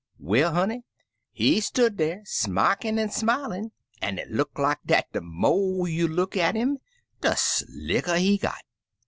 "Well, honey, he stood dar smickin* an* smilin*, an* it look like dat de mo* you look at *im, de slicker he got.